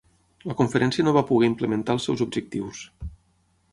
La conferència no va poder implementar els seus objectius.